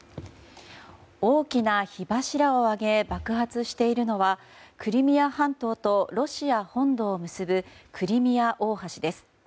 大きな火柱を上げ爆発しているのはクリミア半島とロシア本土を結ぶクリミア大橋です。